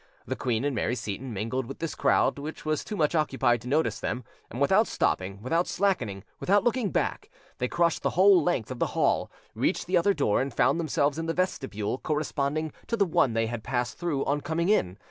The queen and Mary Seyton mingled with this crowd, which was too much occupied to notice them, and without stopping, without slackening, without looking back, they crossed the whole length of the hall, reached the other door, and found themselves in the vestibule corresponding to the one they had passed through on coming in.